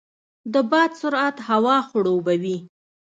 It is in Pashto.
د باد سرعت هوا خړوبوي.